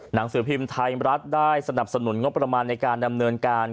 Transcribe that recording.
หนังสือพิมพ์ไทยรัฐได้สนับสนุนงบประมาณในการดำเนินการ